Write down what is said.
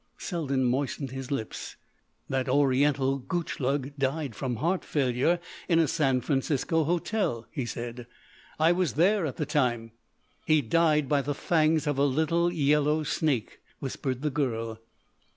Selden moistened his lips: "That Oriental, Gutchlug, died from heart failure in a San Francisco hotel," he said. "I was there at the time." "He died by the fangs of a little yellow snake," whispered the girl.